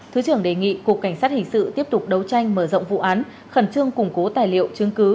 thứ trưởng đề nghị cục cảnh sát hình sự tiếp tục đấu tranh mở rộng vụ án khẩn trương củng cố tài liệu chứng cứ